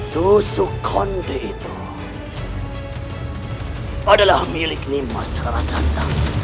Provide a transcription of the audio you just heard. tusuk konde itu adalah milik nimas rasad